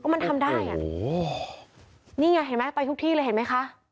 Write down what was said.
มันทำได้นี่เห็นไหมไปทุกที่เลยเห็นไหมคะ